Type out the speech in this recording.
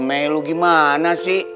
me lu gimana sih